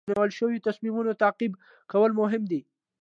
د نیول شوو تصمیمونو تعقیب کول مهم دي.